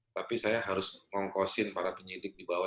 tapi saya harus ngongkosin para penyidik di bawah